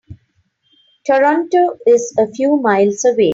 Toronto is a few miles away.